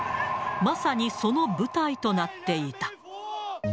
まさにその舞台となっていた。